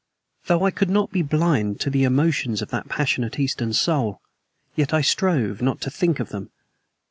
Though I could not be blind to the emotions of that passionate Eastern soul, yet I strove not to think of them.